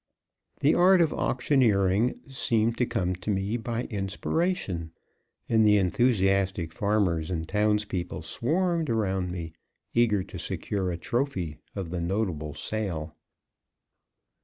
The art of auctioneering seemed to come to me by inspiration, and the enthusiastic farmers and towns people swarmed around me, eager to secure a trophy of the notable sale.